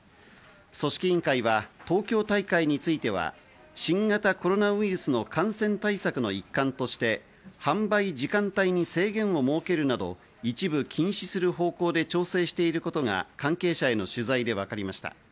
組織委員会は東京大会については、新型コロナウイルスの感染対策の一環として、販売時間帯に制限を設けるなど、一部禁止する方向で調整していることが関係者への取材でわかりました。